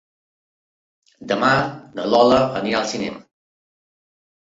Demà na Lola anirà al cinema.